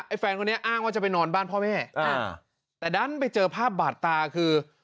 แฟนคนนี้อ้างว่าจะไปนอนบ้านพ่อแม่อ่าแต่ดันไปเจอภาพบาดตาคือ